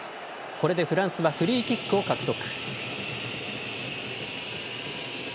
これでフランスはフリーキックを獲得。